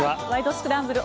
スクランブル」